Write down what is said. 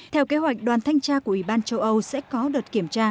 theo kế hoạch đoàn thanh tra của ủy ban châu âu sẽ có đợt kiểm tra